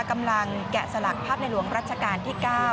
แกะสลักภาพในหลวงรัชกาลที่๙